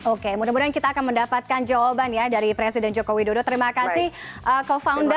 oke mudah mudahan kita akan mendapatkan jawaban ya dari presiden joko widodo terima kasih co founder